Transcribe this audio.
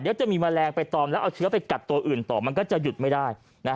เดี๋ยวจะมีแมลงไปตอมแล้วเอาเชื้อไปกัดตัวอื่นต่อมันก็จะหยุดไม่ได้